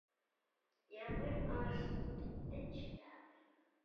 V témže století Barcelonu obsadil Karel Veliký.